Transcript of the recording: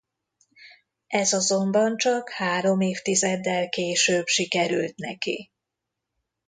Ez azonban csak három évtizeddel később sikerült neki.